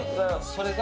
それが？